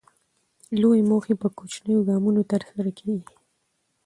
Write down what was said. لویې موخې په کوچنیو ګامونو ترلاسه کېږي.